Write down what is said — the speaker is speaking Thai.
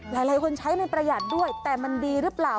หลายคนใช้มันประหยัดด้วยแต่มันดีหรือเปล่า